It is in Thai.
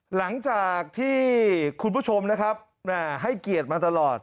หลังจากที่คุณผู้ชมนะครับให้เกียรติมาตลอด